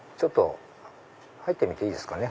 入ってみていいですかね？